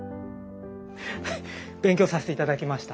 勉強させて頂きました！